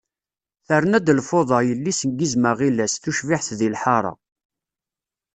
Terna-d lfuḍa, yelli-s n yizem aɣilas tucbiḥt deg lḥara.